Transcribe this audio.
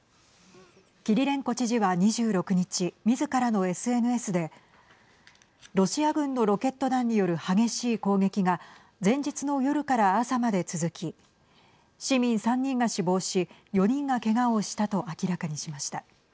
キリレンコ知事は２６日みずからのＳＮＳでロシア軍のロケット弾による激しい攻撃が前日の夜から朝まで続き市民３人が死亡し４人がけがをしたと明らかにしました。